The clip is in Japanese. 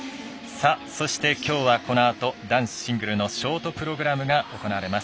そして、きょうはこのあと男子シングルのショートプログラムが行われます。